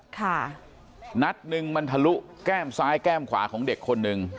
ค่ะนัดหนึ่งมันทะลุแก้มซ้ายแก้มขวาของเด็กคนหนึ่ง